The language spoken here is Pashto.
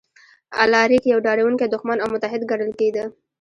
الاریک یو ډاروونکی دښمن او متحد ګڼل کېده